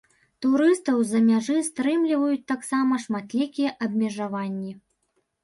Турыстаў з-за мяжы стрымліваюць таксама шматлікія абмежаванні.